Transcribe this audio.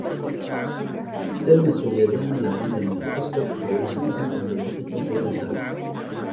تلمس اليدان العديد من الأسطح ويمكنها أن تلتقط الفيروسات.